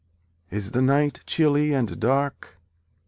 Is the night chilly and dark?